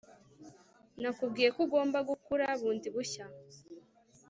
Nakubwiye ko ugomba kugura bundi bushya